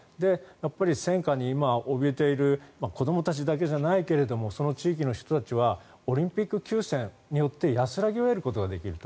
戦禍におびえている子どもたちだけじゃないけどもその地域の人たちはオリンピック休戦によって安らぐことができると。